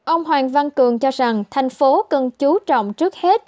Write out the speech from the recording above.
ông hoàng văn cường cho rằng thành phố cần chú trọng trước hết